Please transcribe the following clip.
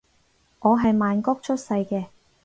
我係曼谷出世嘅